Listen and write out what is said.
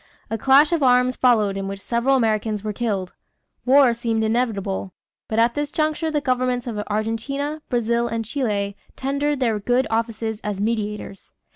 A clash of arms followed in which several Americans were killed. War seemed inevitable, but at this juncture the governments of Argentina, Brazil, and Chile tendered their good offices as mediators.